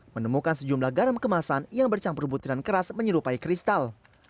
menemukan sejumlah garam kemasan yang bercampur butiran keras menyerupai kristal